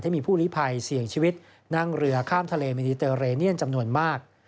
มีผู้ลิภัยเสี่ยงชีวิตนั่งเรือข้ามทะเลเมนิเตอร์เรเนียนจำนวนมาก